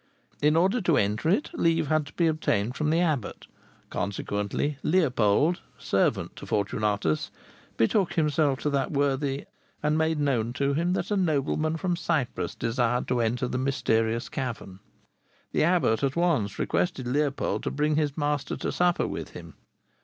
In order to enter it, leave had to be obtained from the abbot; consequently Leopold, servant to Fortunatus, betook himself to that worthy and made known to him that a nobleman from Cyprus desired to enter the mysterious cavern. The abbot at once requested Leopold to bring his master to supper with him.